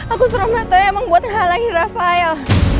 aku suruh mateo yang membuat hal lagi rafael